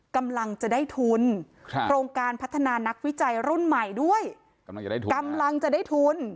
กำลังจะได้ทุนโครงการพัฒนานักวิจัยรุ่นใหม่ด้วยกำลังจะได้ทุนกำลังจะได้ทุน